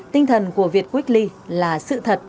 tinh thần của việt weekly là sự thật